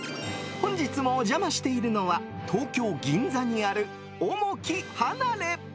本日もお邪魔しているのは東京・銀座にある、おもき離れ。